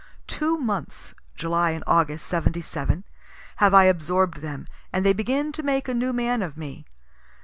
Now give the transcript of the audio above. Two months (July and August, '77,) have I absorb'd them, and they begin to make a new man of me.